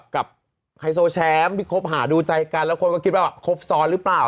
ไฮโซแชมป์ที่คบหาดูใจกันแล้วคนก็คิดว่าครบซ้อนหรือเปล่า